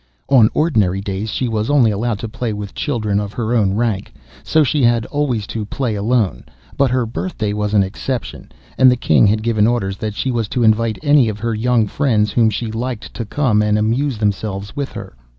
On ordinary days she was only allowed to play with children of her own rank, so she had always to play alone, but her birthday was an exception, and the King had given orders that she was to invite any of her young friends whom she liked to come and amuse themselves with her.